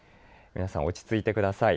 皆さん落ち着いてください。